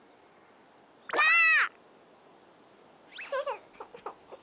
ばあっ！